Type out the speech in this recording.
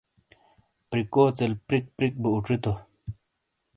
پِرِیکوژیل پِرِک پِرِک بو اُوچِیتو۔